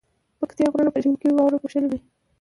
پکتيا غرونه په ژمی کی واورو پوښلي وی